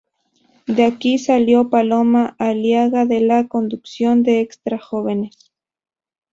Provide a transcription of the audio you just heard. De aquí salió Paloma Aliaga a la conducción de Extra Jóvenes.